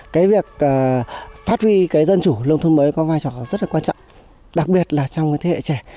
cái việc phát huy cái dân chủ nông thôn mới có vai trò rất là quan trọng đặc biệt là trong cái thế hệ trẻ